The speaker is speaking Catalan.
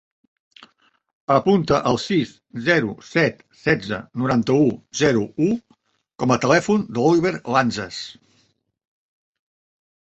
Apunta el sis, zero, set, setze, noranta-u, zero, u com a telèfon de l'Oliver Lanzas.